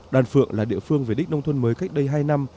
đoàn phượng là địa phương về đích nông thuân mới cách đây hai năm